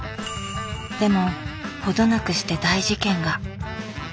でもほどなくして大事件が。